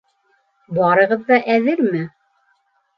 —Барығыҙ ҙа әҙерме?